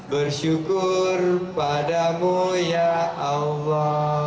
bersyukur padamu ya allah